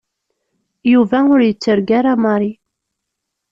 Yuba ur yettargu ara Mary.